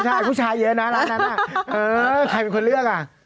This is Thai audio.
ใช่ผู้ชายเยอะน้ำใครเป็นคนเลือก